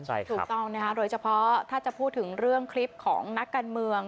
ถูกต้องนะคะโดยเฉพาะถ้าจะพูดถึงเรื่องคลิปของนักการเมือง